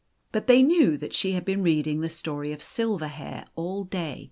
But they knew that she had been reading the story of Silverhair all day.